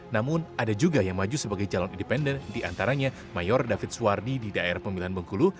namun ada juga yang maju sebagai calon independen diantaranya mayor david suwardi di daerah pemilihan bengkulu